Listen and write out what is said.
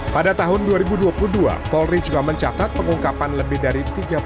pada tahun dua ribu dua puluh dua polri juga mencatat pengungkapan lebih dari tiga puluh